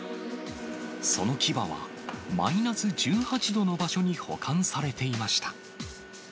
その牙は、マイナス１８度の場所に保管されていました。